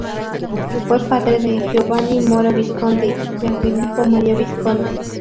Fue padre de Giovanni Maria Visconti y a Filippo Maria Visconti.